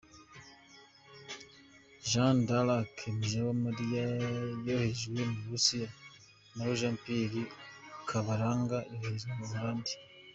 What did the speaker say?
Jeanne D’arc Mujawamaliya yoherejwe mu Burusiya naho Jean Pierre Kabaranga yoherejwe mu Buholandi.